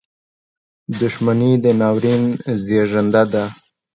• دښمني د ناورین زیږنده ده.